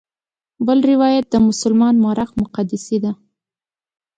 بل روایت د مسلمان مورخ مقدسي دی.